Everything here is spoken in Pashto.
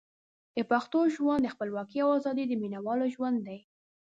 د پښتنو ژوند د خپلواکۍ او ازادۍ د مینوالو ژوند دی.